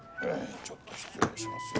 ちょっと失礼しますよ。